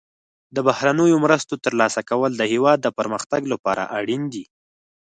د بهرنیو مرستو ترلاسه کول د هیواد د پرمختګ لپاره اړین دي.